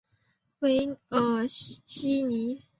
韦尔西尼。